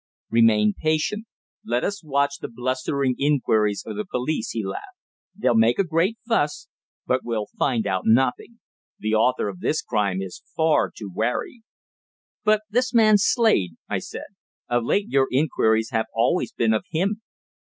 "Remain patient. Let us watch the blustering inquiries of the police," he laughed. "They'll make a great fuss, but will find out nothing. The author of this crime is far too wary." "But this man Slade?" I said. "Of late your inquiries have always been of him.